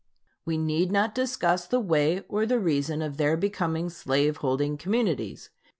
We need not discuss the way or the reason of their becoming slave holding communities.